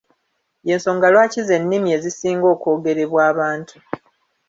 Y’ensonga lwaki ze nnini ezisinga okwogerebwa abantu.